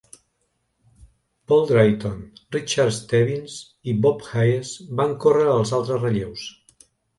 Paul Drayton, Richard Stebbins i Bob Hayes van córrer els altres relleus.